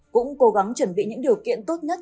cũng cố gắng chuẩn bị những điều kiện tốt nhất